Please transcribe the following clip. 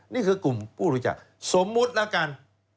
นี่คือกลุ่มผู้บริจาคสมมุติแล้วกัน